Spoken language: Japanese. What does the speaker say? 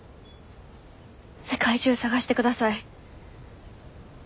世界中探してください。